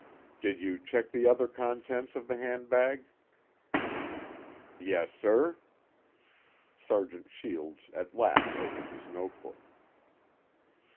"Did you check the other contents of the handbag?" "Yes, sir." Sergeant Shields at last opened his notebook.